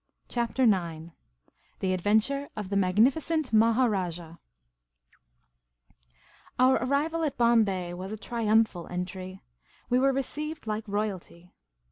^ CHAPTER IX THE ADVENTURE OF THE MAGNIFICENT MAHARAJAH OUR arrival at Bombay was a triumphal entry. We were received like royalty.